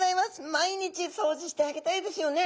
毎日掃除してあげたいですよね。